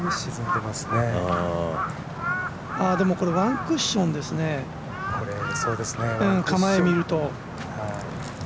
でもこれ、ワンクッションですね、構えを見ると。